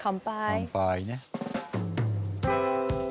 乾杯ね。